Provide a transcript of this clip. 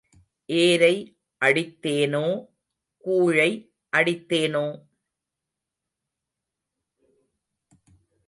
ஏரை அடித்தேனோ, கூழை அடித்தேனோ?